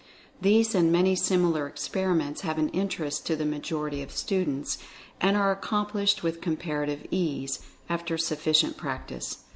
These and many similar ex periments have an interest to the majority cf students, and are accomplished with comparative ease, after suf ficient practice.